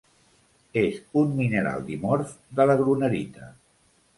És un mineral dimorf de la grunerita.